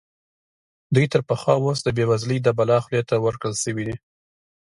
دوی تر پخوا اوس د بېوزلۍ د بلا خولې ته ورکړل شوي دي.